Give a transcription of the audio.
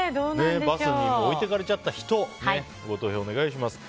バスに置いてかれちゃった人ご投票お願いします。